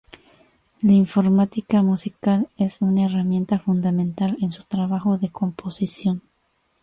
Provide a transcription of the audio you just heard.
La informática musical es una herramienta fundamental en su trabajo de composición.